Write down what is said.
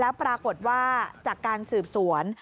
แล้วปรากฏว่าจากการสืบสวน